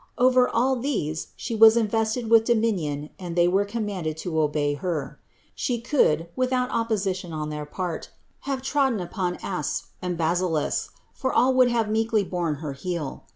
Over all these She was invested with dominion and they were commanded to obey Her. She could without opposition on their part have trodden upon asps and basilisks, for all would have meekly borne her heel.